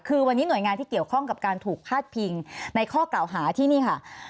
คือวันนี้หน่วยงานที่เกี่ยวข้องกับการถูกพาดพิงในข้อกล่าวหาที่นี่ค่ะ